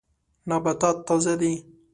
نباتات تازه دي.